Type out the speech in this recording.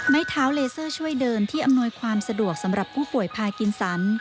ไม้เท้าเลเซอร์ช่วยเดินที่อำนวยความสะดวกสำหรับผู้ป่วยพากินสัน